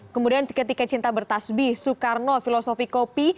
kemudian tika tika cinta bertasbih soekarno filosofi kopi